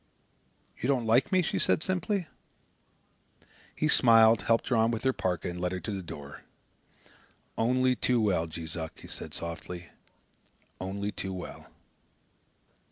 "You don't like me," she said simply. He smiled, helped her on with her PARKA, and led her to the door. "Only too well, Jees Uck," he said softly; "only too well."